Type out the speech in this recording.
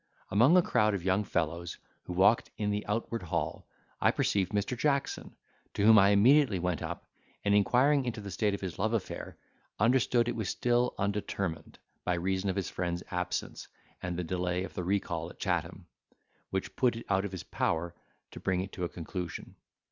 Among a crowd of young fellows who walked in the outward hall, I perceived Mr. Jackson, to whom I immediately went up; and, inquiring into the state of his love affair, understood it was still undetermined, by reason of his friend's absence, and the delay of the recall at Chatham, which put it out of his power to bring it to a conclusion.